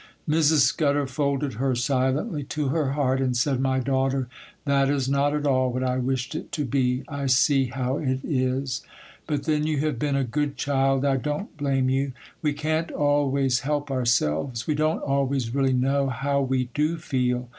Mrs. Scudder folded her silently to her heart, and said, 'My daughter, that is not at all what I wished it to be; I see how it is;—but then you have been a good child; I don't blame you. We can't always help ourselves. We don't always really know how we do feel.